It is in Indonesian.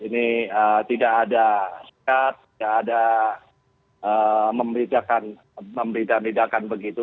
ini tidak ada sehat tidak ada membedakan begitu